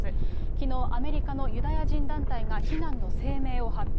きのう、アメリカのユダヤ人団体が非難の声明を発表。